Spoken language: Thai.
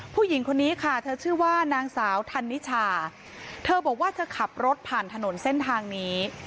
ผู้หญิงคนนี้ค่ะเธอชื่อว่านางสาวธันนิชาเธอบอกว่าจะขับรถผ่านถนนเส้นทางนี้